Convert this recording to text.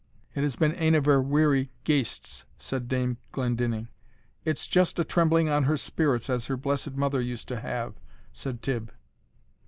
"It has been ane of her weary ghaists," said Dame Glendinning. "It's just a trembling on her spirits, as her blessed mother used to have," said Tibb.